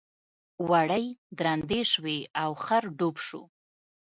وړۍ درندې شوې او خر ډوب شو.